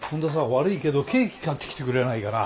悪いけどケーキ買ってきてくれないかな？